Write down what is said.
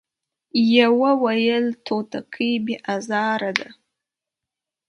يوه ويل توتکۍ بې ازاره ده ،